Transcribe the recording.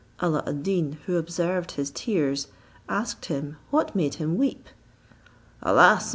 Alla ad Deen, who observed his tears, asked him what made him weep. "Alas!